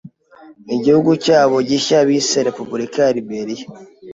Igihugu cyabo gishya bise Repubulika ya Liberiya.